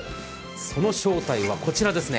その正体はこちらですね。